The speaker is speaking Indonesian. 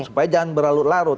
supaya jangan berlalu larut